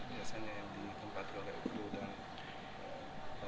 biasanya yang dimaklumkan oleh kru dan